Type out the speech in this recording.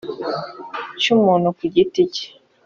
cy’umuntu ku giti cye